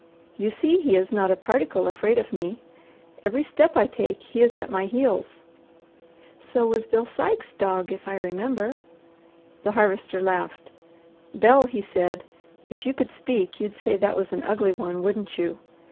You see he is not a particle afraid of me. Every step I take, he is at my heels." "So was Bill Sikes' dog, if I remember." The Harvester laughed. "Bel," he said, "if you could speak you'd say that was an ugly one, wouldn't you?"